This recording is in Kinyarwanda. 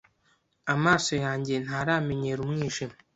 Amaso yanjye ntaramenyera umwijima.